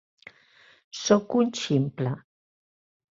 Soc un ximple.